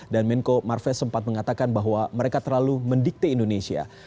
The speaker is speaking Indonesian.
dan menko marves sempat mengatakan bahwa mereka terlalu mendikte indonesia